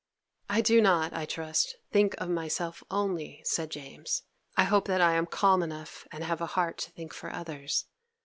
'I do not, I trust, think of myself only,' said James. 'I hope that I am calm enough and have a heart to think for others.